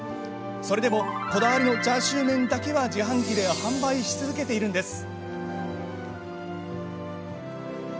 それでもこだわりのチャーシュー麺だけは自販機で販売し続けているのです。